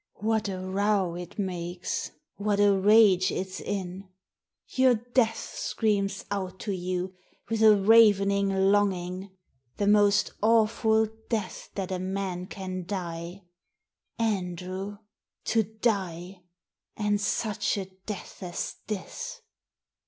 "What a row rt makes! What a rage it's in! Your death screams out to you, with a ravening longing — the most awful death that a man can die. Andrew — to die ! And such a death as this